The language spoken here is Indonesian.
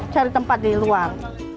cari tempat di luar